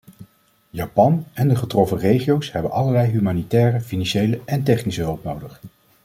Japan en de getroffen regio's hebben allerlei humanitaire, financiële en technische hulp nodig.